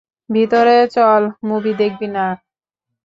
ভিতরে চল মুভি দেখবি না?